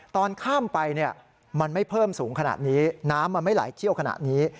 ตอนข้ามไปเนี่ยมันไม่เพิ่มสูงขนาดนี้น้ำมันไม่ไหลเชี่ยวขนาดนี้